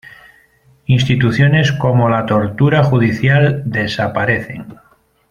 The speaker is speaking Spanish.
Instituciones como la tortura judicial desaparecen.